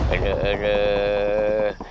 aduh aduh aduh